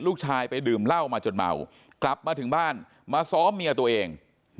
ลูกชายไปดื่มเหล้ามาจนเมากลับมาถึงบ้านมาซ้อมเมียตัวเอง